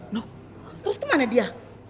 loh terus kemana dia